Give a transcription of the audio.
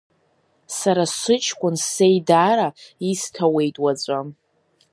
Сара сыҷкәын сеидара исҭауеит уаҵәы.